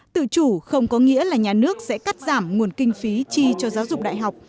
tự chủ không có nghĩa là nhà nước sẽ cắt giảm nguồn kinh phí chi cho giáo dục đại học